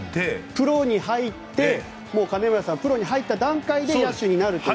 プロに入って金村さんはプロに入った段階で野手になると。